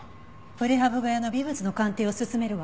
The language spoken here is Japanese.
プレハブ小屋の微物の鑑定を進めるわ。